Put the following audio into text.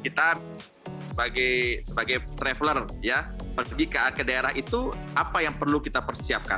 kita sebagai traveler pergi ke daerah itu apa yang perlu kita persiapkan